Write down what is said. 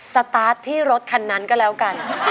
สตาร์ทที่รถคันนั้นก็แล้วกัน